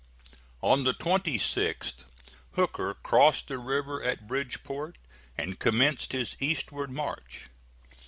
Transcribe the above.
On the 26th, Hooker crossed the river at Bridgeport and commenced his eastward march.